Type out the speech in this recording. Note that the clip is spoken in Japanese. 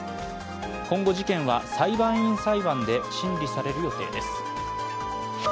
今後、事件は裁判員裁判で審理される予定です。